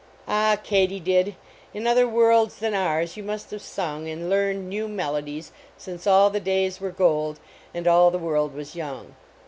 Ah, katydid, in other worlds than OUR you must have sung and learned new melodies since all the days wen gold and all the world Till: KATYDID IX OPERA was young.